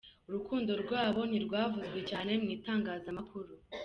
Urukundo rwabo ntirwavuzwe cyane mu itangazamakuru.